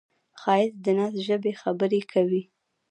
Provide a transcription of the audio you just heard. ښایست د ناز د ژبې خبرې کوي